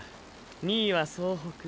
２位は総北。